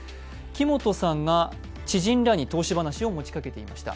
木本さんが知人らに投資話を持ちかけていました。